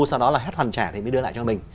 sau đó là hết hoàn trả thì mới đưa lại cho mình